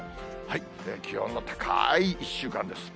気温の高い１週間です。